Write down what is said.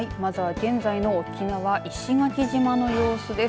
現在の沖縄、石垣島の様子です。